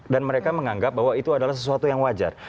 dan mereka menganggap bahwa itu adalah sesuatu yang wajar